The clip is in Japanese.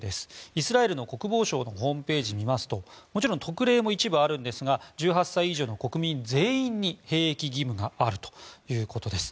イスラエルの国防省のホームページを見ますともちろん特例も一部あるんですが１８歳以上の国民全員に兵役義務があるということです。